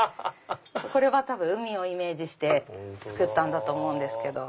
これは多分海をイメージして作ったんだと思うんですけど。